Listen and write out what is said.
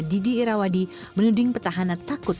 didi irawadi menuding petahana takut